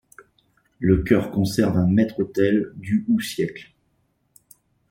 Le chœur conserve un maître-autel du ou siècle.